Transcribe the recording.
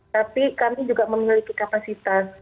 tapi kami juga memiliki kapasitas